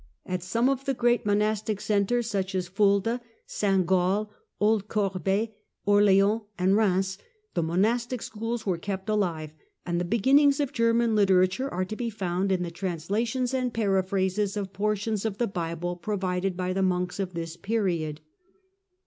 At some of the great monastic centres, such as Fulda, St. Gall, Old Corbey, Orleans and Kheims, the monastic schools were kept alive, and the beginnings of German literature are to be found in the translations and paraphrases of por tions of the Bible provided by the monks of this period.